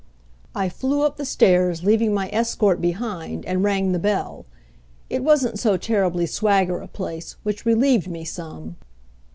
I flew up the stairs, leaving my escort behind, and rang the bell. It wasn't so terribly swagger a place, which relieved me some.